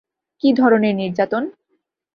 কী ধরণের নির্যাতন?